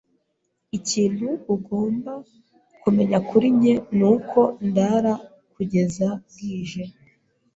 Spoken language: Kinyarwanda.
Ikintu ugomba kumenya kuri njye nuko ndara kugeza bwije.